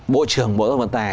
bộ trưởng bộ giao thông vận tài